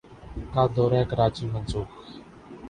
کا دورہ کراچی منسوخ